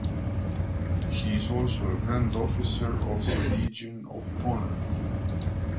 He is also a Grand Officer of the Legion of Honour.